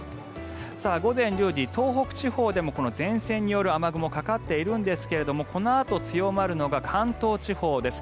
午前１０時東北地方でも前線による雨雲がかかっているんですがこのあと強まるのが関東地方です。